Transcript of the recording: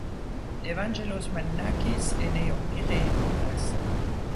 Evángelos Marinákis est né au Pirée, en Grèce.